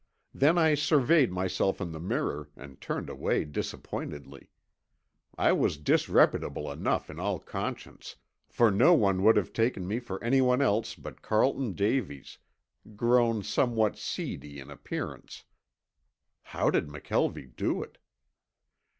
Then I surveyed myself in the mirror and turned away disappointedly. I was disreputable enough in all conscience, but no one would have taken me for anyone else but Carlton Davies, grown somewhat seedy in appearance. How did McKelvie do it?